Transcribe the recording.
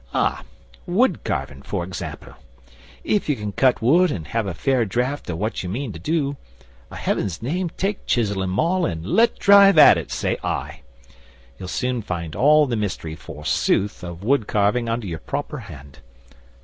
'Ah! Wood carving, for example. If you can cut wood and have a fair draft of what ye mean to do, a' Heaven's name take chisel and maul and let drive at it, say I! You'll soon find all the mystery, forsooth, of wood carving under your proper hand!